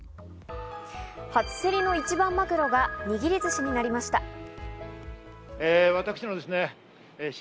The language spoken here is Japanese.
初競りの一番マグロが握り寿司になりました。